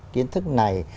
kiến thức này